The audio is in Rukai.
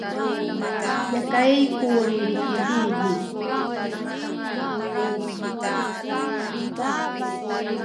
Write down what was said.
Yakay ku lrilrikili li